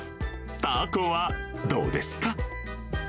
タコはどうですか？